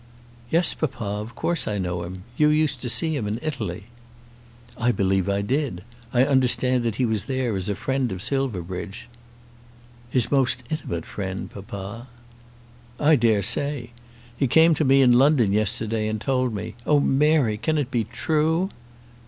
"Yes, papa; of course I know him. You used to see him in Italy." "I believe I did; I understand that he was there as a friend of Silverbridge." "His most intimate friend, papa." "I dare say. He came to me, in London yesterday, and told me ! Oh Mary, can it be true?"